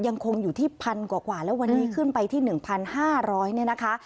ยังคงอยู่ที่พันกว่ากว่าแล้ววันนี้ขึ้นไปที่หนึ่งพันห้าร้อยเนี่ยนะคะ